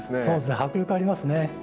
そうですね迫力ありますね。